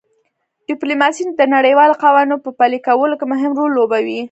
ډیپلوماسي د نړیوالو قوانینو په پلي کولو کې مهم رول لوبوي